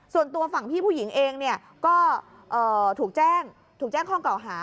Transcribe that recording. ส่วนตัวฝั่งพี่ผู้หญิงเองก็ถูกแจ้งข้องก่อหา